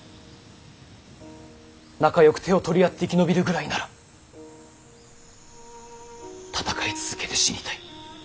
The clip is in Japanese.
仲よく手を取り合って生き延びるぐらいなら戦い続けて死にたい。